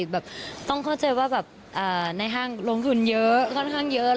แบบต้องเข้าใจว่าแบบในห้างลงทุนเยอะค่อนข้างเยอะ